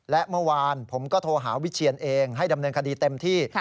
และเมื่อวานผมก็โทรหาวิเชียนเองให้ดำเนินคดีเต็มที่